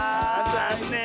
ざんねん。